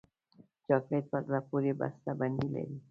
چاکلېټ په زړه پورې بسته بندي لري.